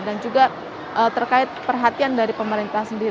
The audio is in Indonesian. dan juga terkait perhatian dari pemerintah sendiri